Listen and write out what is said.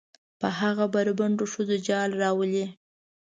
په هغه بربنډو ښځو جال روالي.